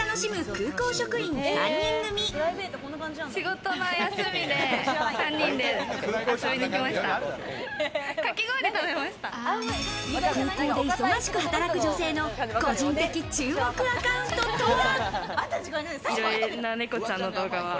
空港で忙しく働く女性の個人的注目アカウントとは？